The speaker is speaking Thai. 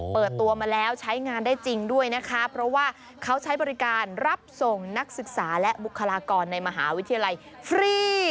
เปิดตัวมาแล้วใช้งานได้จริงด้วยนะคะเพราะว่าเขาใช้บริการรับส่งนักศึกษาและบุคลากรในมหาวิทยาลัยฟรี